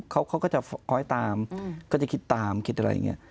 เขาก็จะคอยตามก็จะคิดตามคิดอะไรอย่างนี้